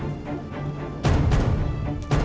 pak makasih ya